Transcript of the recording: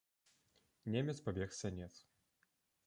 Немец пабег з сянец.